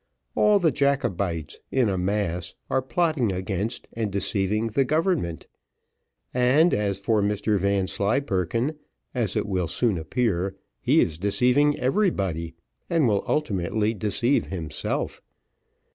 All the Jacobites, in a mass, are plotting against and deceiving the government, and as for Mr Vanslyperken; as it will soon appear, he is deceiving everybody, and will ultimately deceive himself.